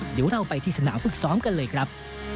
เดี๋ยวเราไปที่สนามฝึกซ้อมกันเลยครับ